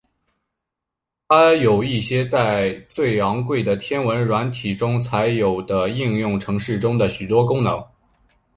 它有一些在最昂贵的天文软体中才有的应用程式中的许多功能。